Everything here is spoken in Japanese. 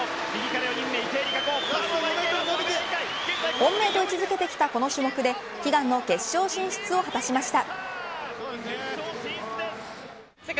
本命と位置づけてきたこの種目で悲願の決勝進出を果たしました。